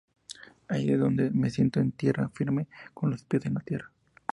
Ahí es donde me siento, en tierra firme, con los pies en la tierra.